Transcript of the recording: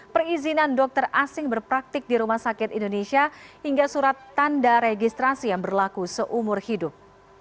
perizinan dokter asing berpraktik di rumah sakit indonesia hingga surat tanda registrasi yang berlaku seumur hidup